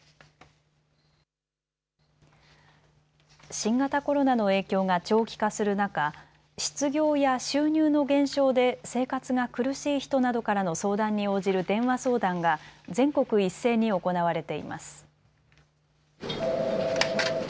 新型コロナの影響が長期化する中、失業や収入の減少で生活が苦しい人などからの相談に応じる電話相談が全国一斉に行われています。